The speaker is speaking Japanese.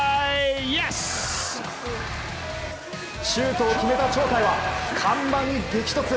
シュートを決めた鳥海は、看板に激突。